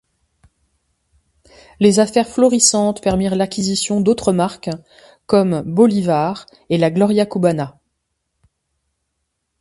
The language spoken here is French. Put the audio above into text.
Les affaires florissantes permirent l'acquisition d'autres marques, comme Bolivar et La Gloria Cubana.